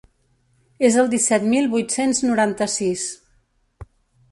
És el disset mil vuit-cents noranta-sis.